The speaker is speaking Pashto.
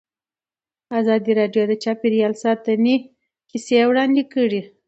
ازادي راډیو د چاپیریال ساتنه کیسې وړاندې کړي.